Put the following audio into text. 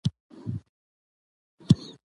په مقابل کې يې جبار کاکا کريم ته وويل :